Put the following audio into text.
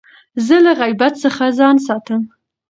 زه له غیبت څخه ځان ساتم.